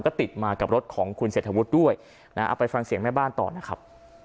ก็ติดมากับรถของคุณเศรษฐวุฒิด้วยนะเอาไปฟังเสียงแม่บ้านต่อนะครับ